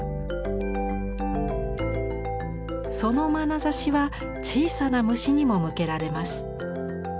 そのまなざしは小さな虫にも向けられます。